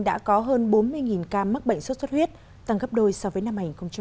đã có hơn bốn mươi ca mắc bệnh sốt xuất huyết tăng gấp đôi so với năm hai nghìn một mươi tám